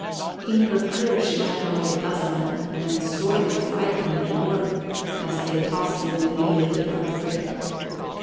In her crew she had only a dozen men, and sorely frightened they were, as they tossed in the lee of the dark frigate.